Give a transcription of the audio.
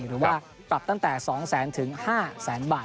หรือว่าปรับตั้งแต่๒๐๐๐ถึง๕แสนบาท